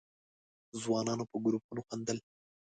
ځوانانو په گروپونو خندل.